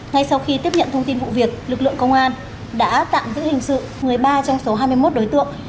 ngay sau khi tiếp nhận thông tin vụ việc lực lượng công an đã tạm giữ hình sự một mươi ba trong số hai mươi một đối tượng